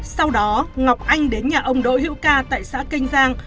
sau đó ngọc anh đến nhà ông đỗ hữu ca tại xã kênh giang